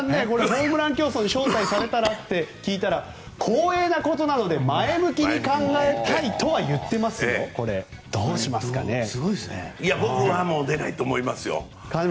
ホームラン競争に招待されたらと聞いたら光栄なことなので前向きに考えたいとは僕は出ないと思いますよ。